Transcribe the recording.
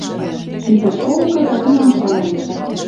Шӹнзӹшволкы тагынам шӓлӓнен